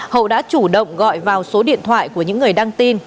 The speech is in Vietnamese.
hậu đã chủ động gọi vào số điện thoại của những người đăng tin